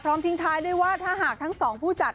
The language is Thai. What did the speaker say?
ทิ้งท้ายด้วยว่าถ้าหากทั้งสองผู้จัด